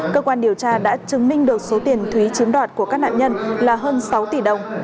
cơ quan điều tra đã chứng minh được số tiền thúy chiếm đoạt của các nạn nhân là hơn sáu tỷ đồng